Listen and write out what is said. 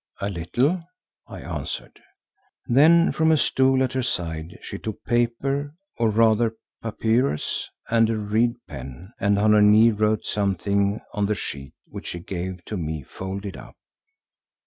"A little," I answered. Then from a stool at her side she took paper, or rather papyrus and a reed pen, and on her knee wrote something on the sheet which she gave to me folded up.